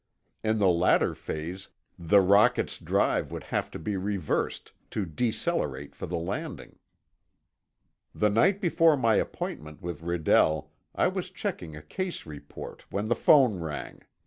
In the latter phase, the rocket's drive would have to be reversed, to decelerate for the landing. The night before my appointment with Redell, I was checking a case report when the phone rang.